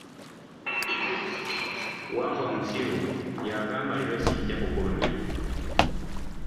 Wambwa omusiru yagamba, leero sijja kukulumya.